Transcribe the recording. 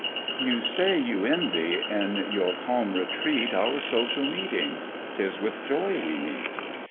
YOU say you envy in your calm retreat Our social Meetings; 'tis with joy we meet.